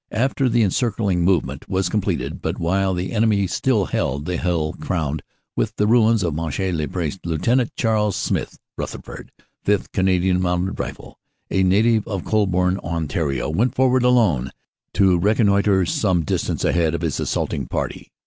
After the encircling movement was completed but while the enemy still held the hill crowned with the ruins of Monchy le Preux, Lieut. Charles Smith Rutherford, Sth. C. M. R., a native of Colborne, Ont., went forward alone to reconnoitre, some distance ahead of his assaulting party.